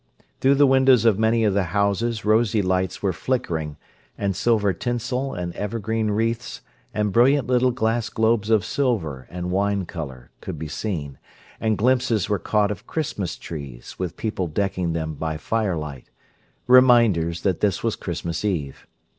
Through the windows of many of the houses rosy lights were flickering; and silver tinsel and evergreen wreaths and brilliant little glass globes of silver and wine colour could be seen, and glimpses were caught of Christmas trees, with people decking them by firelight—reminders that this was Christmas Eve.